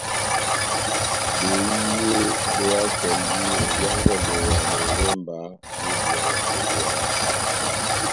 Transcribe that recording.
Behiye be hakwɛndi ovia ngondɛ ya Novemba n'ibwea ya Febuari.